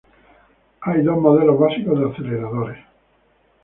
Hay dos modelos básicos de aceleradores.